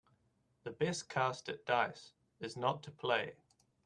The best cast at dice is not to play.